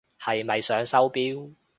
係咪想收錶？